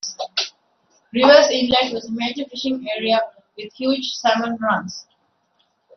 Rivers Inlet was a major fishing area with huge salmon runs.